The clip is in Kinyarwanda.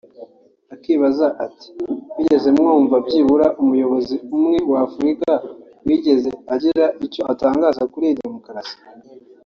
Akibaza ati “ Mwigeze mwumva byibura umuyobozi n’umwe wa Afurika wigeze ugira icyo atangaza kuri iyo demokarasi